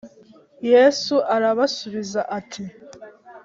Yesu arabasubiza ati